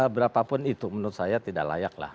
berapapun itu menurut saya tidak layak lah